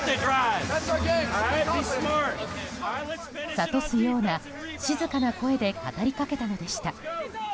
諭すような静かな声で語りかけたのでした。